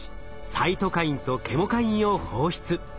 サイトカインとケモカインを放出。